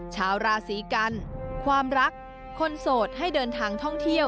ชาวราศีกันความรักคนโสดให้เดินทางท่องเที่ยว